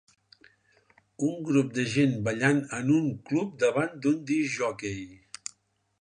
Un grup de gent ballant en un club davant d'un discjòquei.